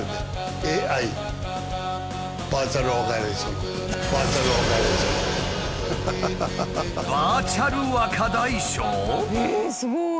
ええすごい！